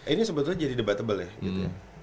ini sebetulnya jadi debatable ya